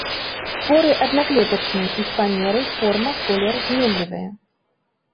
Споры аднаклетачныя, іх памеры, форма, колер зменлівыя.